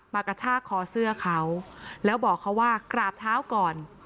กระชากคอเสื้อเขาแล้วบอกเขาว่ากราบเท้าก่อน